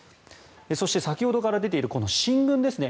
そして、先ほどから出ている進軍ですね